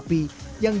kita pakai arang